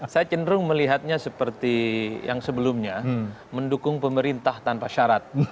saya cenderung melihatnya seperti yang sebelumnya mendukung pemerintah tanpa syarat